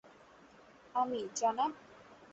আমি, জনাব?